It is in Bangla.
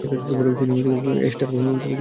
তিনি এজটারগমে জন্মগ্রহণ করেন।